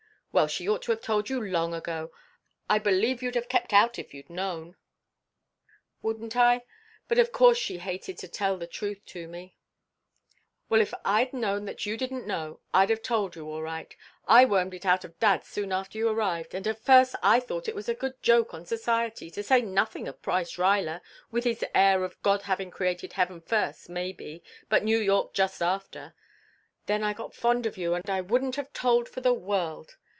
"Well, she ought to have told you long ago. I believe you'd have kept out if you'd known." "Wouldn't I? But of course she hated to tell the truth to me " "Well, if I'd known that you didn't know I'd have told you, all right. I wormed it out of Dad soon after you arrived, and at first I thought it was a good joke on Society, to say nothing of Price Ruyler, with his air of God having created heaven first, maybe, but New York just after. Then I got fond of you and I wouldn't have told for the world.